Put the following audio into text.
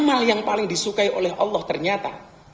amal yang paling disukai oleh allah ternyata